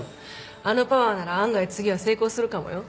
あのパワーなら案外次は成功するかもよ。